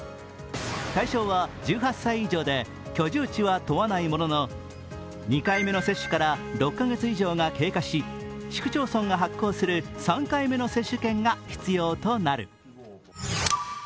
対象は１８歳以上で居住地は問わないものの２回目の接種から６カ月以上が経過し、市区町村が発行する３回目の接種券が必要となる。